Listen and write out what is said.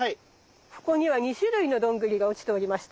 ここには２種類のどんぐりが落ちておりました。